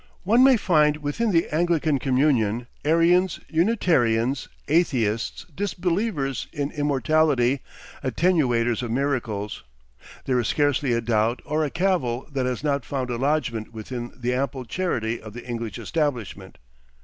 One may find within the Anglican communion, Arians, Unitarians, Atheists, disbelievers in immortality, attenuators of miracles; there is scarcely a doubt or a cavil that has not found a lodgment within the ample charity of the English Establishment.